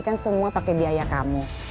kan semua pakai biaya kamu